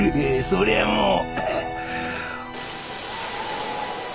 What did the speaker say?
そりゃもう。